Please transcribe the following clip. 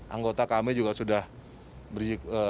anggota kami juga sudah berjika